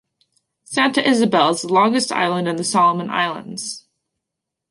Santa Isabel is the longest Island in the Solomon Islands.